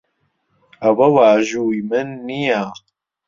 ئەوە واژووی من نییە.